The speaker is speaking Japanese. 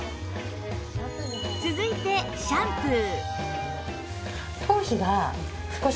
続いてシャンプー